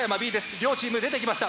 両チーム出てきました。